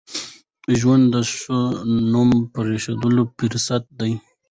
ژوند د ښو نوم پرېښوولو فرصت دی.